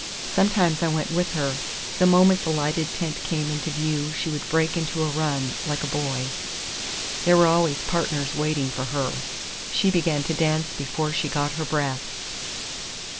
Sometimes I went with her; the moment the lighted tent came into view she would break into a run, like a boy. There were always partners waiting for her; she began to dance before she got her breath.